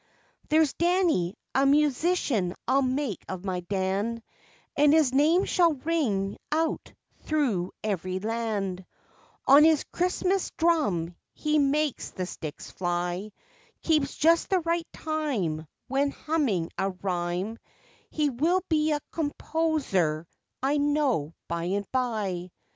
There's Danny: A musician I'll make of my Dan, And his name shall ring out through every land, On his Christmas drum he makes the sticks fly, Keeps just the right time, When humming a rhyme, He will be a composer I know by and by.